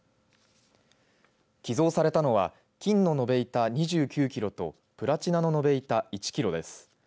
寄贈されたのは金の延べ板２９キロとプラチナの延べ板１キロです。